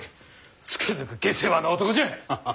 つくづく下世話な男じゃ！